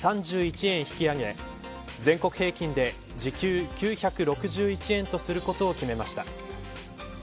３１円引き上げ、全国平均で時給９６１円とすることを決めました。